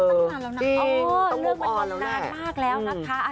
เรื่องเป็นตอนนานมากแล้วนะคะ